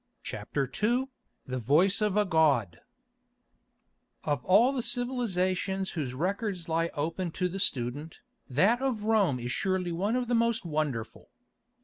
CHAPTER II THE VOICE OF A GOD Of all the civilisations whose records lie open to the student, that of Rome is surely one of the most wonderful.